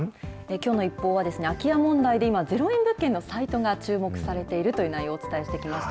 きょうのＩＰＰＯＵは、空き家問題で今、０円物件のサイトが注目されているという内容をお伝えしてきました。